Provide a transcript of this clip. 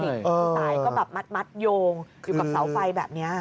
สายก็แบบมัดโยงอยู่กับเสาไฟแบบนี้